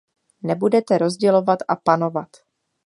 Nebudete rozdělovat a panovat.